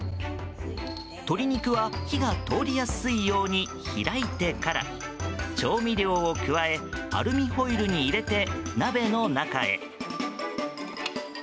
鶏肉は、火が通りやすいように開いてから調味料を加えアルミホイルに入れて鍋の中へ。